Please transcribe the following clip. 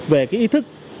về ý thức